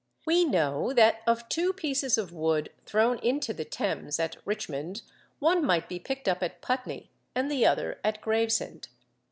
We know that of two pieces of wood thrown into the Thames at Richmond, one might be picked up at Putney, and the other at Gravesend.